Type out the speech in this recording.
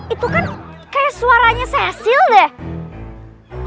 itu kan kayak suaranya sesil deh